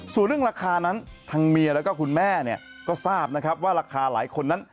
ส่วนเรื่องราคานั้นทางเมียแล้วก็คุณแม่เนี่ยก็ทราบนะครับว่าราคาหลายคนนั้น